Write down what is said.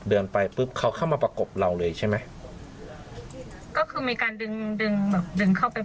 เดินไปปุ๊บเขาเข้ามาประกบเราเลยใช่ไหมก็คือมีการดึงดึงแบบดึงเข้าไป